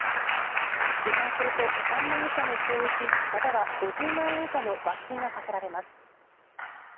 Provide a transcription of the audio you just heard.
違反すると３年以下の懲役または５０万円以下の罰金が科せられます。